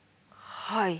はい。